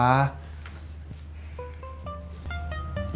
gara gara memuji orang masuk penjara